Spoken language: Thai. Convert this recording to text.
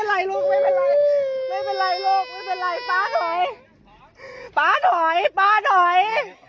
ไม่เป็นไรลูกไม่เป็นไรป๊าหน่อย